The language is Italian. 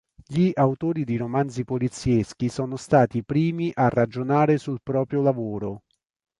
Gli autori di romanzi polizieschi sono stati i primi a ragionare sul proprio lavoro.